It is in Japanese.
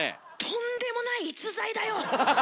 とんでもない逸材だよ！